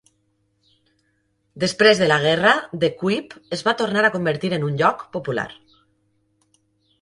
Després de la guerra, De Kuip es va tornar a convertir en un lloc popular.